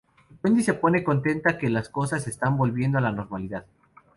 Wendy se pone contenta de que las cosas están volviendo a la normalidad.